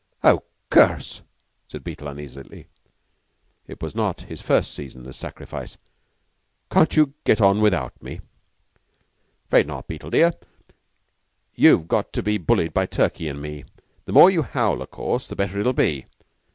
"Oh, curse!" said Beetle uneasily. It was not his first season as a sacrifice. "Can't you get on without me?" "'Fraid not, Beetle, dear. You've got to be bullied by Turkey an' me. The more you howl, o' course, the better it'll be.